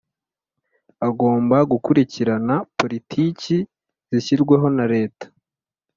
Agomba gukurikirana politiki zishyirwaho na Leta